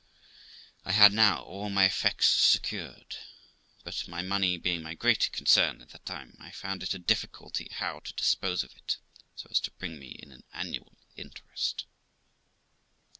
I had now all my effects secured ; but my money being my great concern at that time, I found it a difficulty how to dispose of it so as to bring me in an annual interest.